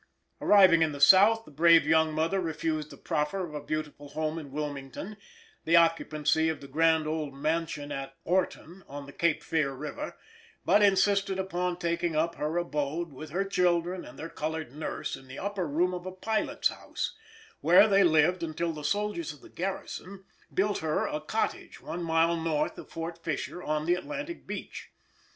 Arriving in the South, the brave young mother refused the proffer of a beautiful home in Wilmington, the occupancy of the grand old mansion at "Orton," on the Cape Fear river, but insisted upon taking up her abode with her children and their coloured nurse in the upper room of a pilot's house, where they lived until the soldiers of the garrison built her a cottage one mile north of Fort Fisher, on the Atlantic beach.